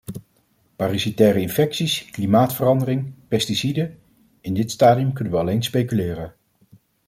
Parasitaire infecties, klimaatverandering, pesticiden: in dit stadium kunnen we alleen speculeren.